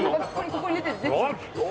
ここに出てる。